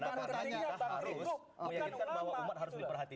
jangan hanya dipakai saja untuk pemilu